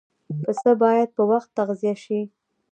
پسه باید په وخت تغذیه شي.